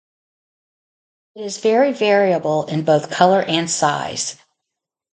It is very variable in both colour and size.